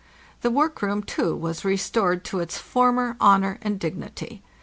The workroom, too, was restored to its former honor and dignity.